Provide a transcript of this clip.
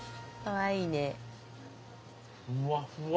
ふわっふわ！